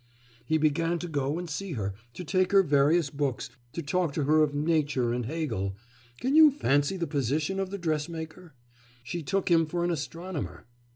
He began to go and see her, to take her various books, to talk to her of Nature and Hegel. Can you fancy the position of the dressmaker? She took him for an astronomer.